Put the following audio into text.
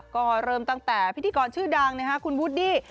ก็เริ่มตั้งแต่พิธีกรชื่อดังคุณวูดดี้